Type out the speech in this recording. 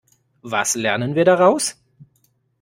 Was lernen wir daraus?